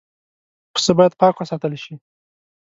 پسه باید پاک وساتل شي.